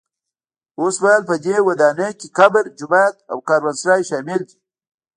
اوسمهال په دې ودانۍ کې قبر، جومات او کاروانسرای شامل دي.